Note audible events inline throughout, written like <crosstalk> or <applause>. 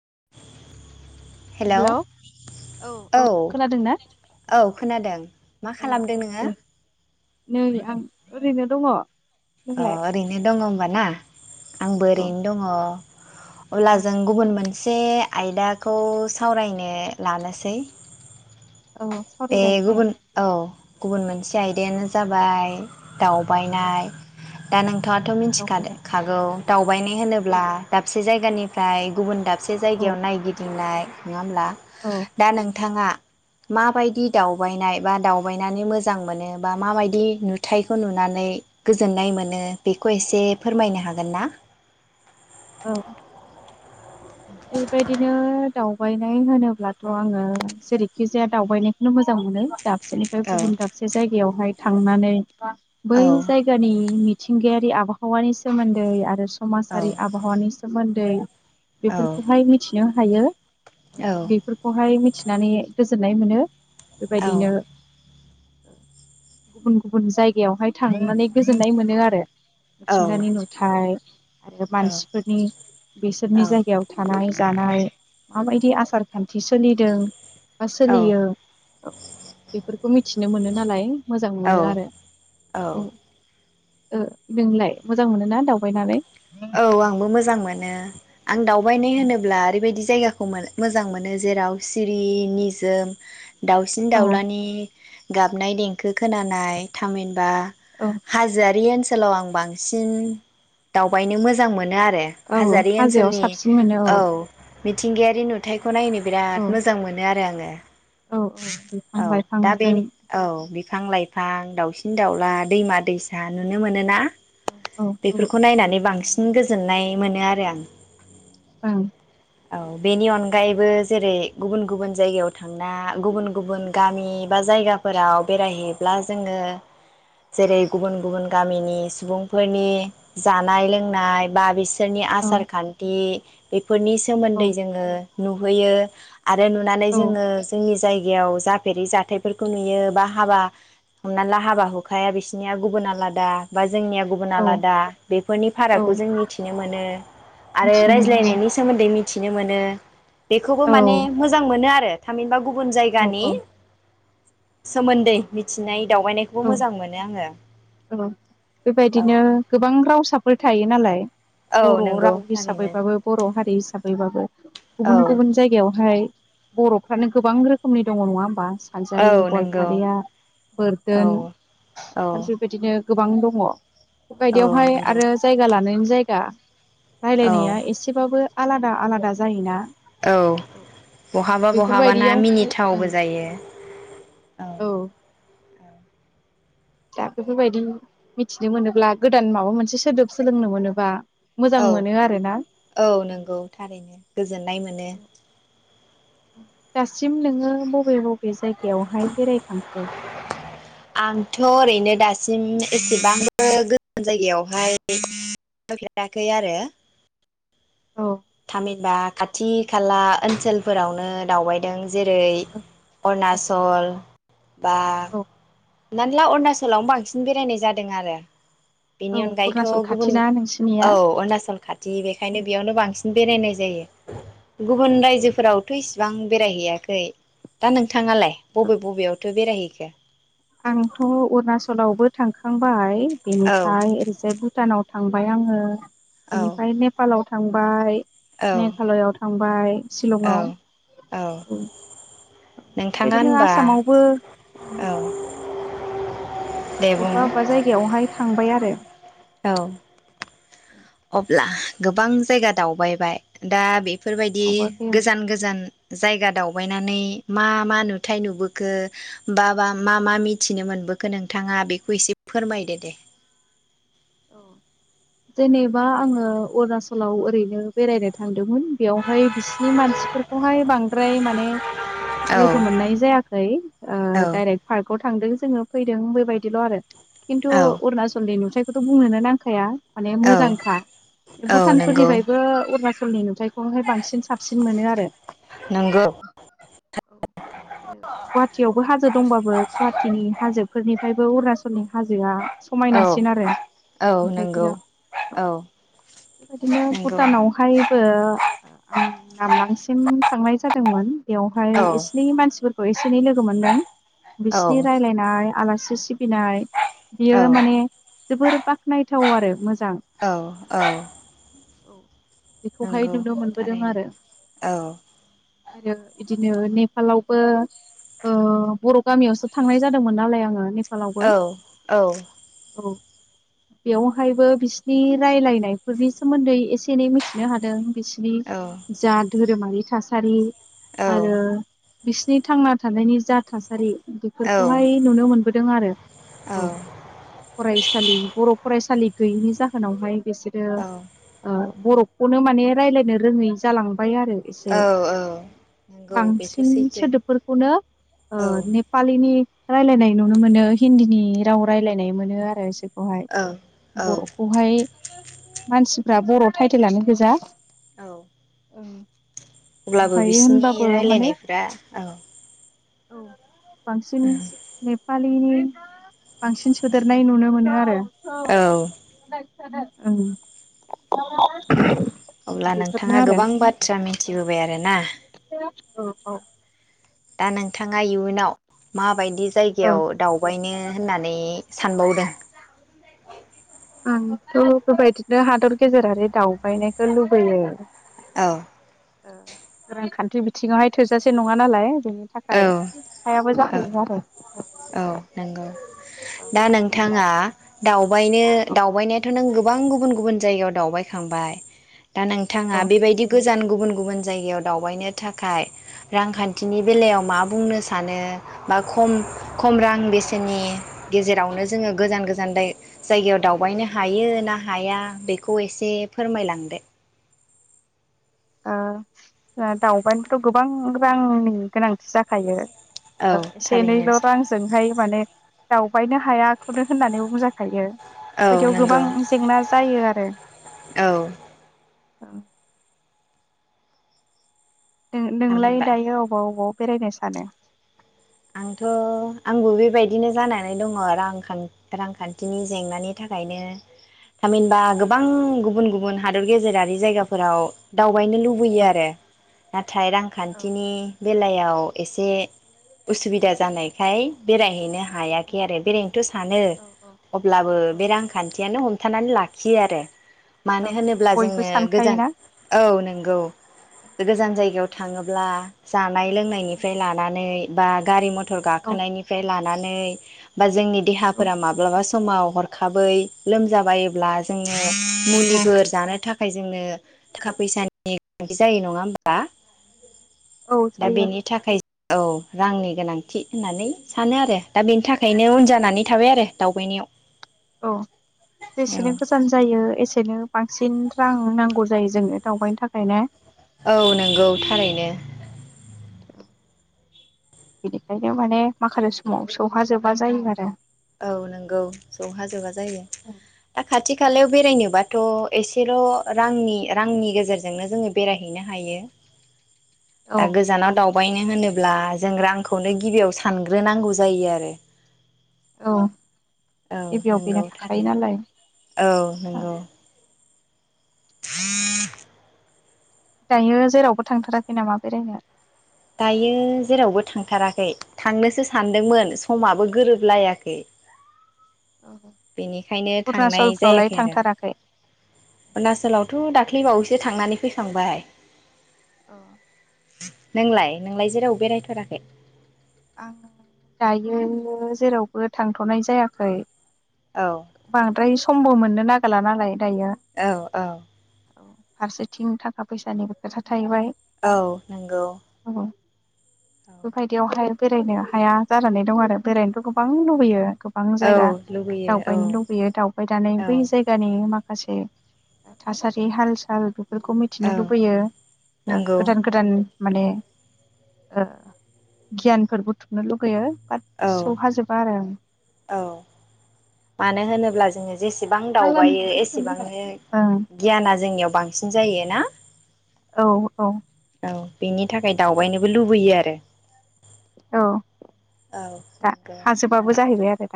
लांदां हेलौ औ खोनादों ना औ औ खोनादों मा औ खालामदों नोङो? दे नै आं ओरैनो दङ। अ नोंलाय ओरैनो दङ बाना आंबो औ ओरैनो दङ। अब्ला औ जों गुबुन मोन से आयदाखौ सावरायनो लानोसै औ बे सावरायजायो दे गुबुन औ गुबुन मोनसे आयदायानो जाबाय। औ दावबायनाय दा औ नोंथाङाथ मिथिखाद दावबायनाय खागौ बायनाय होनोब्ला औ दाबसे जायगानिफ्राय गुबुन दाब से जायगायाव औ नायगिदिंनाय नङा ओमब्ला औ दा नोंथाङा मा बायदि दि दावबायनाय बा दावबायनानै मोजां मोनो बा माबायदि नुथायखौ नुनानै गोजोननाय मोनो बेखौ इसे फोरमायनो हागोन ना? औ बेबायदिनो दावबायनाय होनोब्लाथ आङो जेरैखि जाया दावबायनायखौनो मोजां मोनो दाब दाबसेनिफ्राय औ गुबुन दाबसे जायग गायावहाय थांनानै बै औ जायगानि मिथिंगायारि आबहावानि सोमोन्दै आरो औ समाजारि आबहावानि सोमोन दैै औ बेफोरखौहाय मिथिनो हायो ओ औ बेफोरखौहाय मि थिनानै गोजोननाय मोनो औ बेबायदिनो गुबुन गुबुन जायगायावहाय थांनानै गोजोननाय मोनो आरो औ मिथिंगानि नुथाय आरो मानसिफोरनि बिसोरनि जाय गायाव थानाय जानाय माबायदि आसार खान्थि सोलिदों बा औ सोलियो बेफोरखौ मिथिनो मोनो नालाय मोजां मोनो आरो औ ओ नोंलाय मोजां मोनो ना दावबायनानै औ आंबो मोजां मोनो आं दावबायनाय होनोब्ला ओरैबायदि जायगाखौ मोजां मोनो जेराव सिरि निजोम औ दाउसिन-दाउलानि गाबनाय देंखो खोनानाय थामिन बा औ हाजोआरि ओनसो सोलाव आं बांसिन दावबायनो मोजां मोजां मोनो आरो औ हाजोआरि हाजोआव ओनसोलनि साबसिन मोनो औ मिथिंगायारि नुथाय खौ नायनो औ बिराद मोजां मोनो आरो आं <unintelligible> औ औ बिफां लाइफांजों बिफां-लाइफां दाउसिन-दाउला दैमा-दैसा आ औ नुनो मोनोना औ औ बेफोरखौ ओं नायनानै बांसिन बांसिन गोजोननाय मोनो आरो आं ओं औ बेनि अनगायैबो जेरै गुबुन गुबुन जायगायाव थांना गुबुन गुबुन गामि जायगाफोराव बेरायहैब्ला जोङो जेरै गुबुन गुबुन गामिनि सुबुंफोरनि जानाय लों नाय बा बेसि सोरनि आसार खान्थि बे फोरनि सोमोन्दै जोङो नुहैयो आरो नुनानै औ जोङो जोंनि जाय जागायाव जाफेरि जाथायफोरखौ नुयो बा हाबा हमना ला हाबा हुखाया बिसोरनिया गुबुन आलादा बा जोंनिया गुबुन औ आलादा बेफोरनि औ फारागखौ जों मिथिनो मोनो आरो मिथिनो मोनो रायज्लायनायनि सोमोन्दै मिथिनो मोनो बेखौबो औ माने मोजां मोनोआरो थामिनबा गुब गुबुन जायगानि औ औ सोमोन्दै मिथिनाय दावबायनायखौबो औ मोजां मोनो आङो औ बेबायदिनो गोबां रावसा फोर थायो नालाय औ बर' नंगौ राव थारैनो हिसाबैबाबो बर' हारि दैै हिसाबैबाबो औ गुबुन गुबुन जायगायावहाय बर'फ्रानो गोबां रोखोमनि दङ नङा होमबा सानजारि, औ नंगौ गालपारिया औ बोरदोन औ आरो बे नो गोबां दङ औ बेबायायदियावहाय नंगौ आरो जायगा लानायनि जाय गा औ राय्लायनाया एसेबाबो आलादा आलादा जायोना औ बहाबा बहाबाना बेफोरबायदियावहाय ओं मिनिथावबो जायो औ दा बेफोरबायदि मिथिनो मोनोब्ला गोदान माबा मोनसे सोदोब सोलोंनो मोनोबा मोजां औ मोनो आरोना औ नंगौ थारैनो गोजोननाय मोनो औ दासिम नोङो बबे बबे जायगायावहाय बेरायखांखो आंथ ओरैनो दासिम एसेबांबो गोजान जायगायावहाय बेरायफेराखै आरो औ थामिनबा खाथि खाला ओनसोलफोरावनो दावबायदों जेरै अरुनााचल बा। औ <unintelligible> अरुणाचलावनो बांसिन बेरायनाय जादों आरो बेनि औ अनगायैथ अरुणाचल गुबुन खाथिना नोंसिनिया औ अरुणाचल खाथि बेखायनो बेयावनो बांसिन बेरायनाय जायो। गुबुन रायजोफोरावथ <unintelligible> एसेबां बेरायहैयाखै दा नों <unintelligible> <unintelligible> थाङालाय बबे बबेयाव? <unintelligible> बेरायहैखो? आंथ अरुणाचलावबो थांखांबाय। औ बेनिफ्राय ओरैजायबो भुटानाव थांबाय आङो। औ बेनिफ्राय नेपालाव थांबाय मेघालयआव <unintelligible> थांबाय। औ शिलंआव औ नोंथाङा बेबायदिनो होनबा आसामावबो औ दे बुं अबेबा अबेबा जायगायावहाय थांबाय आरो। औ अब्ला गोबां जायगा दावबायबाय दा बे बेफोरबायदि दावबायाखै आं गोजान गोजान जायगा दावबायनानै मा मा नुथाय नुबोखो बा बा मा मा मिथिनो मोनबोखो नोंथाङा बेखौ एसे फोरमायदो दे। औ जेनेबा आङो अरुणाचलाव ओरैनो बेरायनो थांदों। <unintelligible> बेवहाय बिसिनि मानसिफोरखौहाय बांद्राय माने औ लोगो मोननाय जायाखैे ओ औ डाइरेक्ट पार्कआव थांदों जोङो फैदों बेबायदिल आरो। खिनथु औ अरुणाचलनि <unintelligible> बेखौथ बुंनोनो नांखाया। माने औ मोजांखा औ नंगौ भुटानफोरनिफ्रायबो अरुणाचला <unintelligible> नुथायखौहाय बांसिन साबसिन मोनो आरो। नंगौ आरो गुवाहाटियावबो हाजो दंबाबो गुवाहटिनि हाजोफोरनिफ्रायबो अरुणाचल <unintelligible> हाजोआ औ समायनासिन आरो। औ नंगौ नुथायाइफोरा औ बेबायदिनो नंगौ भुटानावहायबो आं नामलांसिम <unintelligible> थांनाय जादोंमोन। बेवहाय औ इसिनि एसे एनै मानसिफोरखौ एसे एनै लोगो मोनदों औ बिसिनि रायलायनाय आलासि <unintelligible> बिनाय बियो औ माने बोर बाख्नायथाव आरो मोजां औ औ औ बेखौहाय नंगौ नुनो मोनबोदों थारैनो आरो औ आरो बिदिनो नेपालावबो ओ बर गामियावसो थांनाय जादोंमोन नालाय आङो नेपालावबो औ औ बेवहायबो बिसिनि रायलायनायफोरनि सोमोन्दै एसे एनै मिथिनो हादों। बिसनि औ जा धोरोमारि थासारि औ आरो बिसिनि थांना थानायनि जा थासारि औ बेफोरखौहाय नुनो मोनबोदों आरो औ फरायसा बर फरायसालि गैयैनि जाहोनावहाय बिसोरो ओ बर खौनो माने रायलायनो रोङै जालां बाय आरो एसे औ औ नंगौ बेथ' बांसिन सैथो सोदोबफोरखौनो ओ औ नेपालिनि रायलायनाय नुनो मोनो हिन्दीनि राव रायलायनाय मोनो आरो इसे खौहाय औ औ बरखौहाय मानसिफ्रा बर टाइटेलानो गोजा औ उम अब्लाबो बिसिनि रायलायनायफोरा औ बांसिन नेपाल लिनि बांसिन सोदेरनाय नुनो मोनो आ <unintelligible> औ औ <unintelligible> <unintelligible> अब्ला नोंथाङा गोबां बाथ्रा मिथिबोबाय आरोना औ औ दा नोंथाङा इयुनाव माबायदि औ जायगायाव दावबायनो होननानै सानबावदों? <unintelligible> आंथ बेबायदिनो हादर गेजेरारि दावबायनायखौ लुबैयो। औ ओ रांखान्थि बिथिङावहाय थोजासे नङा नालाय। बेनि औ थाखाय हायाबो औ जाहैयो आरो औ नंगौ दा नोंथाङा दावबायनो दावबायनायाथ नों गो बां गुबुन गुबुन जायगायाव दावबायखांबाय दा नोंथाङा औ बेबायदि गोजान गुबुन गुबुन जायगायाव दावबायनो थाखाय रांखान्थिनि बेलायाव मा बुंनो सानो बा खम खम रां बेसेननि गेजेरावनो जोङो गोजान गोजान दाय जायगायाव दावबायनो हायो ना हाया बेखौ एसे फोरमायलांदो। ओ आ दाबायनोथ गोबां रांनि गोनांथि जाखायो ओ औ एसे थारैनो एनैल रांजोंहाय माने दावबायनो हायाखौनो होननानै बुंजाखायो। औ बेबायदियाव नंगौ गोबां जेंना जायो आरो। <inaudible> औ नों नोंलाय थामहिनबा दायो अबाव अबाव बेरायनो सानो? आंथ आंबो बेबायदिनो जानानै दङ रां खान रांखान्थिनि जेंनानि थाखायनो थामहिनबा गोबां गुबुन गुबुन हादर गेजेरारि जायगाफोराव दाव बायनो लुबैयो औ आरो। नाथाय औ रांखान्थिनि बेलायाव एसे उसुबिदा जानायखाय बेरायहैनो हायाखै आरो बेराय नोथ सानो औ औ अब्लाबो औ बे रांखान्थियानो हम थानानै लाखियो आरो। औ मानो होनोब्ला बयबो जोङो गोजान सानखायोना औ नों गौ गोजान जायगायाव थाङोब्ला जानाय लोंनायनिफ्राय लानानै बा गारि म थर औ गाखोनायनिफ्राय ला नानै बा जोंनि औ देहाफोरा माब्लाबा समाव हरखाबै लोमजाबायोब्ला जोङो औ मुलिफोर जानो था खाय जोंनो थाखा फैसानि गोनांथि जायो नङा होमबा? औ दा जायो बेनि थाखाय औ रांनि गोनांथि होननानै सानो आरो दा बेनि थाखाय खायनो उन जानानै थाबाय आरो दावबायनायाव। औ जेसेनो गोजान जायो एसेनो बांसिन रां नांगौ जायो जोंनो दावबायनो थाखायनो। औ नंगौ थारैनो। बेनिखायनो माने माखासे समाव सौहाजोबा जायो आरो। औ नंगौ सौहाजोबा जायो दा खाथि खालायाव बेरायनोबा थ एसेल रांनि रांनि गेजेरजोंनो जोङो बेरायहैनो हायो। औ दा गोजानाव दाव दावबायनो होनोब्ला जों रांखौनो गिबियाव सानग्रोनांगौ जायो आरो। औ औ गिबियाव नंगौ बेनो थाखायो नालाय थारैनो औ नंगौ। दायो जेरावबो थांथाराखै नामा बेरायनो? दायो जेरावबो थांथाराखै थांनोसो सानदोंमोन समाबो गोरोबलायाखै। बेनिखायनो अरुनाचलफ्रावलाय थांथाराखै? अरुणचलावथ दाख्लैबावैसो थांनानै फैखांबाय अ नोंलाय नोंलाय जेराव बेरायथाराखै? आङो दायो जेरावबो थांथनाय जायाखै। औ बांद्राय समबो मोनो ना थोला नालाय दायो औ औ। फारसेथिं थाखा फैसानिबो खोथा थाहैबाय औ नंगौ। औ बेबायदियाव हाय बेरायनो हाया जानानै दं आरो बेरायनोथ गोबां लुबैयो। गोबां औ जायगा लुबैयो दावबायनो औ लुबैयो दावबायनानै औ बै जायगानि माखासे माखासे थासारि हाल साल बेफोरखौ औ मिथिनो लुबैयो नंगौ गोदान गोदान माने ओ गियान फोर बुथुमनो लुगैयो बाथ औ सौहाजोबा आरो औ मानो होनोब्ला जोङो जेसेबां दावबायो एसेबांनो आं। गियाना जोंनियाव बांसिन जायो ना औ औ औ। बेनि थाखाय दावबायनोबो लुबैयो आरो। औ औ दा नंगौ हाजोबाबो जाहैबाय आरो <unintelligible>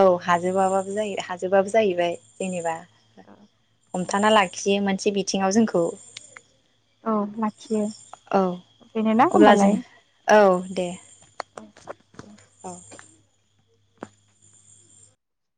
औ हाजोबाबाबो हाजोबाबो जाहैबाय जेनेबा हमथाना लाखियो मोनसे बिथिङाव जोंखौ। औ लाखियो औ बेनो ना अब्ला जों होमबालाय औ दे औ दे। औ